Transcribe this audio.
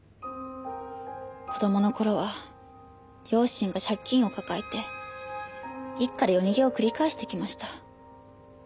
子供の頃は両親が借金を抱えて一家で夜逃げを繰り返してきました。